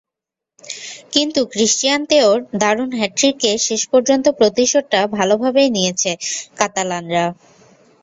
কিন্তু Cristian Tello দারুণ হ্যাটট্রিকে শেষ পর্যন্ত প্রতিশোধটা ভালোভাবেই নিয়েছে কাতালানরা।